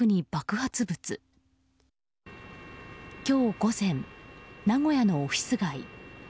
今日午前、名古屋のオフィス街。